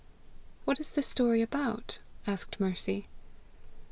"What is the story about?" asked Mercy.